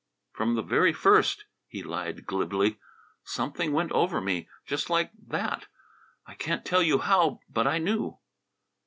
"From the very first," he lied glibly. "Something went over me just like that. I can't tell you how, but I knew!"